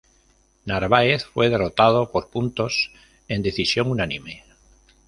Narváez fue derrotado por puntos en decisión unánime.